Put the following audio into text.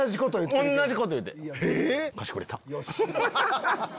同じこと言って。